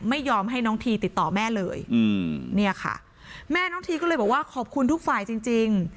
ไม่ยอมให้น้องทีติดต่อแม่เลยอืมเนี่ยค่ะแม่น้องทีก็เลยบอกว่าขอบคุณทุกฝ่ายจริง